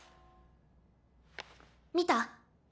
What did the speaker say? ⁉見た？